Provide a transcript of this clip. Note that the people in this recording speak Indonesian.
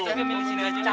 oh cakep tuh